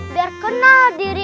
biar kenal diri